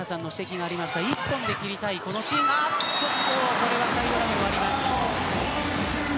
これはサイドラインを割ります。